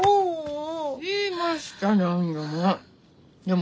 言いました何度も。